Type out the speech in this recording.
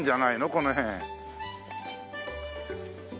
この辺。